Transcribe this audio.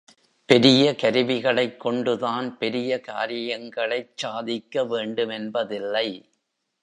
பெரிய கருவிகளைக் கொண்டுதான் பெரிய காரியங்களைச் சாதிக்க வேண்டுமென்பதில்லை.